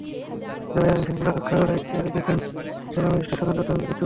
জেলায় আইনশৃঙ্খলা রক্ষার দায়িত্বে রয়েছেন জেলা ম্যাজিস্ট্রেটের সাধারণ তত্ত্বাবধানে পুলিশ সুপার।